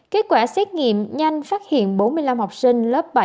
kết quả xét nghiệm nhanh phát hiện bốn mươi năm học sinh lớp bảy